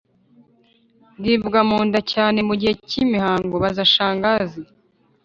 Ndibwa munda cyane mu gihe cy'imihango-Baza Shangazi